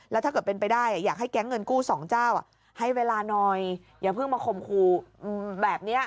แล้วถ้าเกิดเป็นไปได้อยากให้แก๊งเงินกู้สองเจ้าให้เวลาหน่อยอย่าเพิ่งมาข่มครูแบบนี้